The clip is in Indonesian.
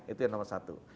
itu yang nomor satu